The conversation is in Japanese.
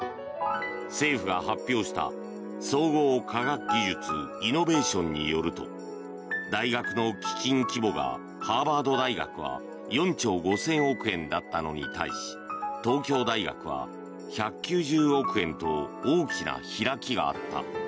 政府が発表した総合科学技術・イノベーションによると大学の基金規模がハーバード大学が４兆５０００億円だったのに対し東京大学は１９０億円と大きな開きがあった。